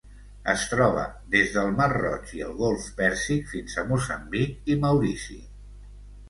Es troba des del Mar Roig i el Golf Pèrsic fins a Moçambic i Maurici.